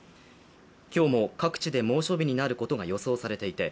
今日も各地で猛暑日になることが予想されていて